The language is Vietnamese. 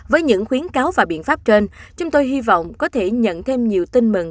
với những khuyến cáo và biện pháp trên chúng tôi hy vọng có thể nhận thêm nhiều tin mừng